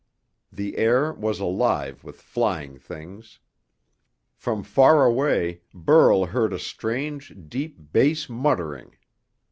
The air was alive with flying things. From far away, Burl heard a strange, deep bass muttering.